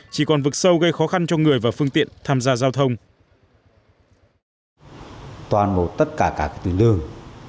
chỉ còn vực sâu gây khó khăn cho người và phương tiện tham gia giao thông